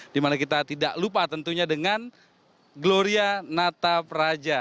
dimana kita tidak lupa tentunya dengan gloria natapraja